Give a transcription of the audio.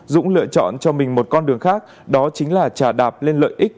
dũng lựa chọn cho mình một con đường khác đó chính là trà đạp lên lợi ích